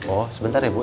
oh sebentar ya bu